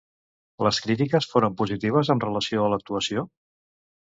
Les crítiques foren positives amb relació a l'actuació?